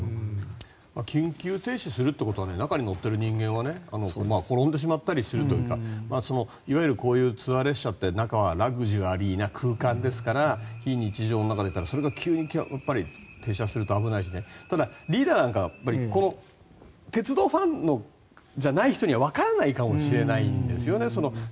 緊急停止するということは中にいる人間は転んでしまったりするというかいわゆるこういうツアー列車って中はラグジュアリーな空間ですから非日常の中ですからそれが急に停車すると危ないしねリーダーなんか鉄道ファンじゃない人にはわからないかもしれないんですよね。